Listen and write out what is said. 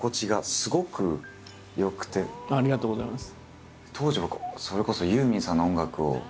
ありがとうございます。